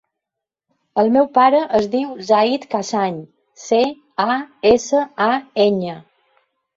El meu pare es diu Zayd Casañ: ce, a, essa, a, enya.